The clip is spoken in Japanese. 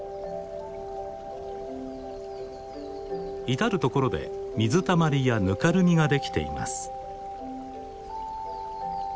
至る所で水たまりやぬかるみができています。